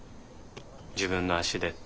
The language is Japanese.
「自分の足で」って。